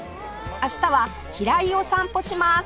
明日は平井を散歩します